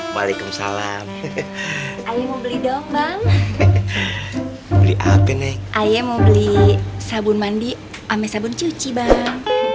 beli sabun mandi sama sabun cuci bang